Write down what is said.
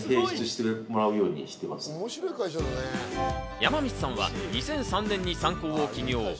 山光さんは２００３年にサンコーを起業。